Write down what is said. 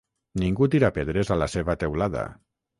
Ningú tira pedres a la seva teulada.